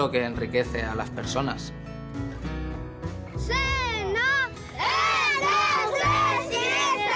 せの！